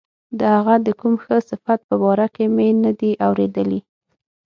د هغه د کوم ښه صفت په باره کې مې نه دي اوریدلي.